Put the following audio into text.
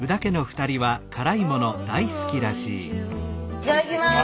いただきます！